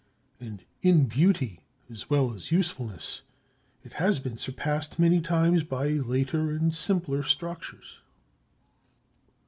And in beauty as well as usefulness, it has been surpassed many times by later and simpler structures.